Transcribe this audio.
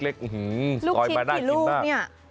ลูกชิ้นที่ลูกเนี่ย